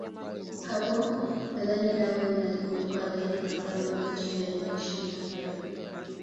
Hapo nadhani nawe unazikumbuka ajali kadhaa ambazo tayari zimshatokea